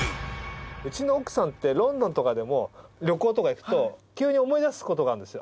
うちの奥さんってロンドンとかでも旅行とか行くと急に思い出すことがあるんですよ。